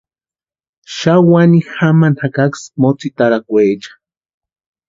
Xani wani jamani jakaksï motsitarakwecha.